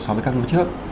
so với các năm trước